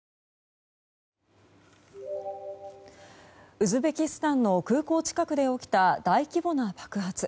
ウズベキスタンの空港近くで起きた大規模な爆発。